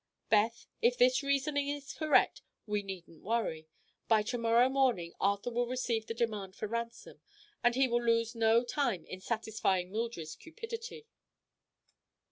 Beth, if this reasoning is correct, we needn't worry. By to morrow morning Arthur will receive the demand for ransom, and he will lose no time in satisfying Mildred's cupidity."